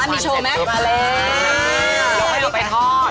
แม่มีโชว์ไหมลมขวน